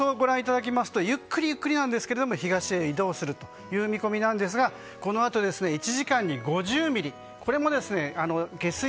今後の予想をご覧いただきますとゆっくりなんですけども東へ移動するという見込みですがこのあと１時間に５０ミリ。